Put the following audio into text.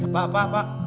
pak pak pak